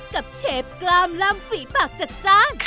กับเชฟกลามร่ำฝีย์ปากจัดจาน